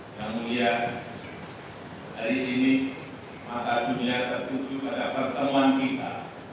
yang mulia hari ini mata dunia tertuju pada pertemuan kita